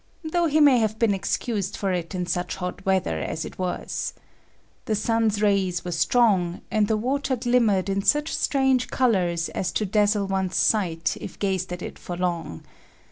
though he may have been excused for it in such hot weather as it was. The sun's rays were strong and the water glimmered in such strange colors as to dazzle one's sight if gazed at it for long.